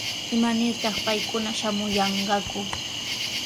¿Imanirtaq paykuna shamuyanqaku?